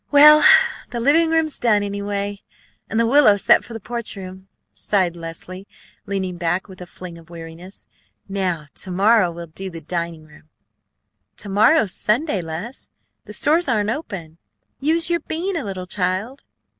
"Well, the living room's done, anyway, and the willow set for the porch room!" sighed Leslie, leaning back with a fling of weariness. "Now to morrow we'll do the dining room." "To morrow's Sunday, Les; the stores aren't open. Use your bean a little, child."